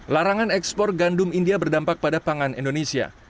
larangan ekspor gandum india berdampak pada pangan indonesia